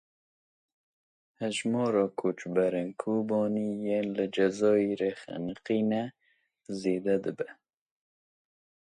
Hejmara koçberên Kobanî yên li Cezayirê xeniqîne zêde dibe.